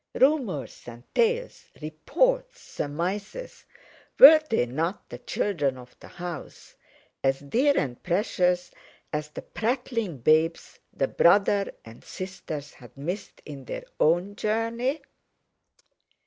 Rumours and tales, reports, surmises—were they not the children of the house, as dear and precious as the prattling babes the brother and sisters had missed in their own journey?